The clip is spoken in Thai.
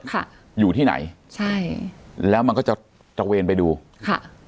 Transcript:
ค่ะอยู่ที่ไหนใช่แล้วมันก็จะตระเวนไปดูค่ะ